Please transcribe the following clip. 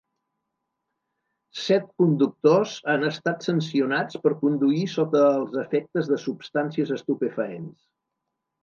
Set conductors han estat sancionats per conduir sota els efectes de substàncies estupefaents.